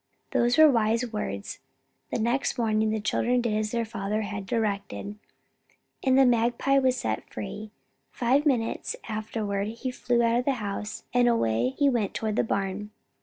Those were wise words. The next morning the children did as their father had directed, and the magpie was set free. Five minutes afterward he flew out of the house, and away he went toward the barn.